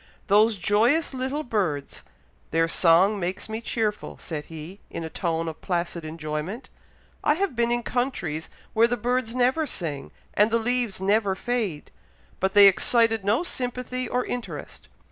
"Those joyous little birds! their song makes me cheerful," said he, in a tone of placid enjoyment. "I have been in countries where the birds never sing, and the leaves never fade; but they excited no sympathy or interest.